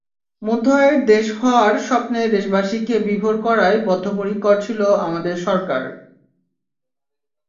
মধ্য আয়ের দেশ হওয়ার স্বপ্নে দেশবাসীকে বিভোর করায় বদ্ধপরিকর ছিল আমাদের সরকার।